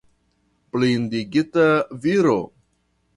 Blindigita viro!